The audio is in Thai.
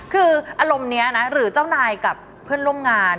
คืออารมณ์นี้นะหรือเจ้านายกับเพื่อนร่วมงาน